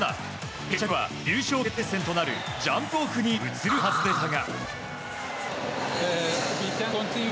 決着は優勝決定戦となるジャンプオフに移るはずでしたが。